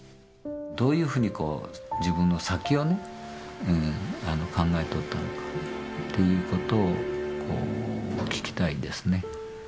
どういうふうに自分の先を考えていたのかっていうことを聞きたいですね。